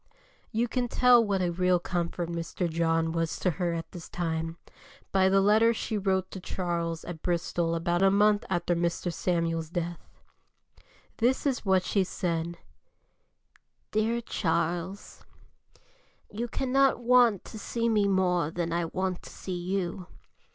You can tell what a real comfort Mr. John was to her at this time, by the letter she wrote to Charles at Bristol about a month after Mr. Samuel's death. This is what she said: "DEAR CHARLES, "You cannot want to see me more than I want to see you.